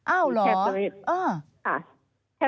อ้าวเหรอ